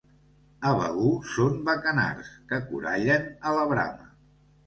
A Begur són bacanards, que corallen a la brama.